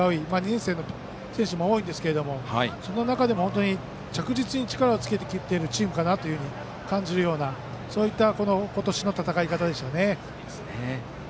２年生の選手も多いんですけどその中でも着実に力をつけてきているチームかなと感じるようなそういった今年の戦い方でした。